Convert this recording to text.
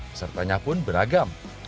pesertanya pun beragam